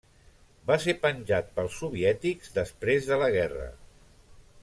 Va ser penjat pels soviètics després de la guerra.